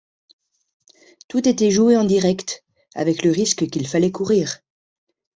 Tout était joué en direct, avec le risque qu'il fallait courir.